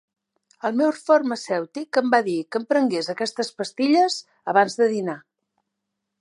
El meu farmacèutic em va dir que em prengués aquestes pastilles abans de dinar.